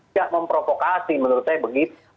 tidak memprovokasi menurut saya begitu